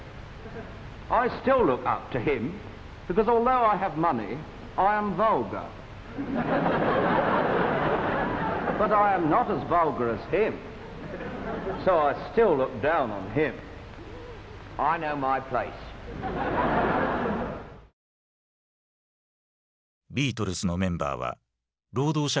ビートルズのメンバーは労働者階級の出身だった。